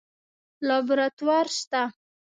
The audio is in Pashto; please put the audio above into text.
لابراتوار شته؟